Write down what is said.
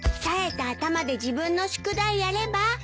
さえた頭で自分の宿題やれば？